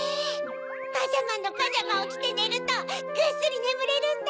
パジャマンのパジャマをきてねるとぐっすりねむれるんだ！